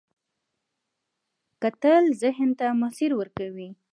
کتل ذهن ته مسیر ورکوي